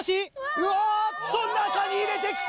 うわっと中に入れてきた！